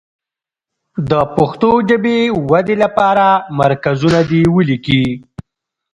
د پښتو ژبې ودې لپاره مرکزونه دې ولیکي.